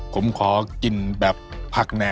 ผมขอกินแบบผักแน่